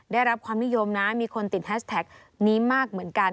ได้รับความนิยมนะมีคนติดแฮชแท็กนี้มากเหมือนกัน